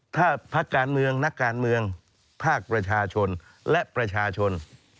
ถ้าพักการเมืองนักการเมืองภาคประชาชนและประชาชน